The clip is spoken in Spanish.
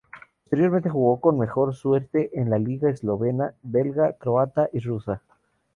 Posteriormente jugó con mejor suerte en la liga eslovena, belga, croata y rusa.